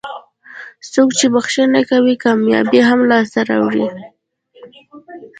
څوک چې بښنه کوي کامیابي هم لاسته راوړي.